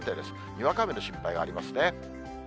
にわか雨の心配がありますね。